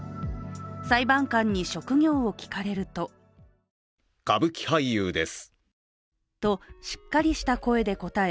裁判官に職業を聞かれるととしっかりした声で答え